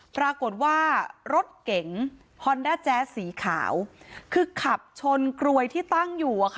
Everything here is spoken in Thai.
ปรากฏว่ารถเก๋งฮอนด้าแจ๊สสีขาวคือขับชนกรวยที่ตั้งอยู่